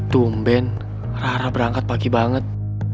tumben rara berangkat pagi banget